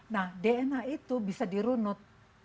nah dna itu bisa dirunut